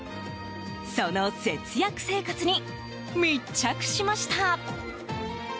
その節約生活に密着しました。